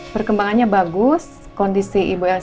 perkembangannya bagus kondisi ibu elsa